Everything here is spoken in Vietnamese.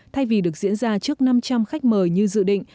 thay vì được diễn ra trước năm trăm linh khách mời như dự định